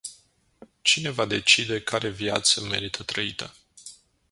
Cine va decide care viață merită trăită?